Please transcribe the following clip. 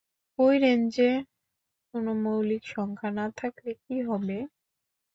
ঐ রেঞ্জে কোনো মৌলিক সংখ্যা না থাকলে কী হবে?